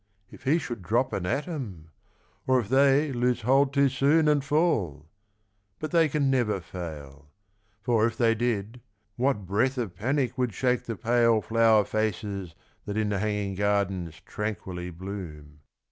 If he should drop an atom ? or if they Lose hold too soon and fall ? But they can never fail ; for if they did What breath of panic would shake the pale flower faces That in the hanging gardens tranquilly bloom.